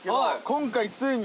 今回ついに。